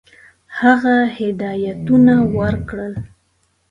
هغه هدایتونه ورکړل.